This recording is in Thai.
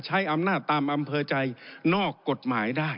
ใช้อำนาจตามอำเภอใจนอกกฎหมายได้